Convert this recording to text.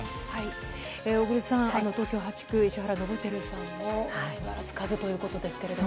小栗さん、東京８区、石原伸晃さんもバラがつかずということですけれども。